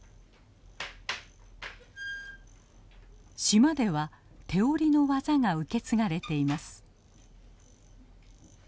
島では手織りの技が受け継がれています。